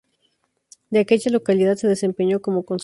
De aquella localidad, se desempeñó como Concejal.